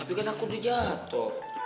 tapi kan aku udah jatuh